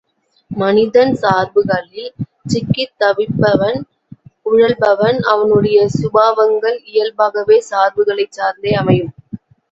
மனிதன் சார்புகளில் சிக்கித்தவிப்பவன் உழல்பவன் அவனுடைய சுபாவங்கள் இயல்பாகவே சார்புகளைச் சார்ந்தே அமையும்.